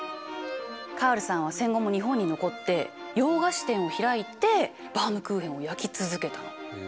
カールさんは戦後も日本に残って洋菓子店を開いてバウムクーヘンを焼き続けたの。